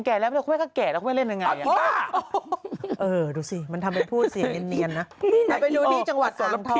ไม่ถึงคุณเพรกค่ะแก่แล้วคุณเพรกไม่เล่นยังงี้